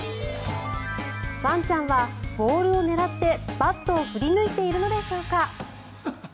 ワンちゃんはボールを狙ってバットを振り抜いているのでしょうか。